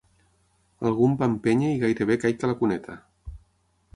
Algú em va empènyer i gairebé caic a la cuneta.